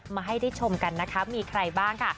มาให้ได้ชมกันนะคะมีใครบ้างค่ะ